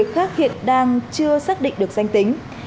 khác hiện đang chưa xác định được danh tính